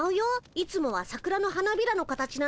いつもはさくらの花びらの形なのに。